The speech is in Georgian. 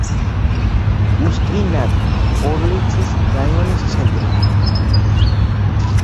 უსტი-ნად-ორლიცის რაიონის ცენტრი.